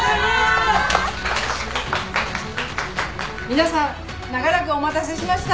皆さん長らくお待たせしました。